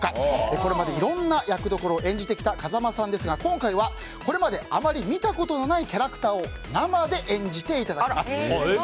これまでいろんな役どころを演じてきた風間さんですが今回はこれまであまり見たことのないキャラクターを生で演じていただきます。